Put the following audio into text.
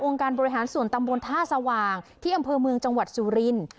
การบริหารส่วนตำบลท่าสว่างที่อำเภอเมืองจังหวัดสุรินทร์